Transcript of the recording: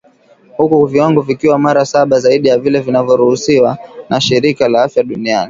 huku viwango vikiwa mara saba zaidi ya vile vinavyoruhusiwa na shirika la afya duniani